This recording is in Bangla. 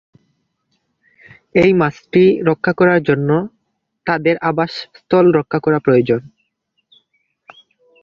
এই মাছটি রক্ষা করার জন্য তাদের আবাসস্থল রক্ষা করা প্রয়োজন।